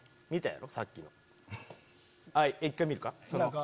１回見るか？